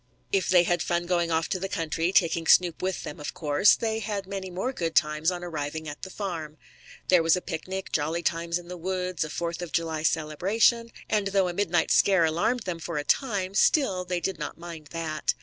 If they had fun going off to the country, taking Snoop with them, of course, they had many more good times on arriving at the farm. There was a picnic, jolly times in the woods, a Fourth of July celebration, and though a midnight scare alarmed them for a time, still they did not mind that.